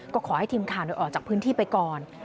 ก็ขอให้ทีมข่าวออกจากพื้นที่ไปก่อน